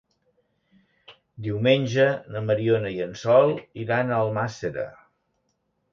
Diumenge na Mariona i en Sol iran a Almàssera.